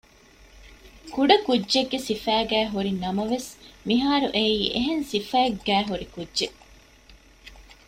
ކުޑަކުއްޖެއްގެ ސިފައިގައި ހުރި ނަމަވެސް މިހާރު އެއީ އެހެން ސިފައެއްގައި ހުރި ކުއްޖެއް